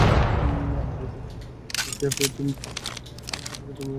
আরে যে দুজন ছিলো ক্যাফেতে, হাতে চিপসের প্যাকেট, তুমি ডাকছিলা?